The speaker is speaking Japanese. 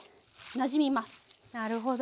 なるほど。